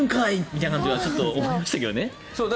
みたいなのはちょっと思いましたけどね。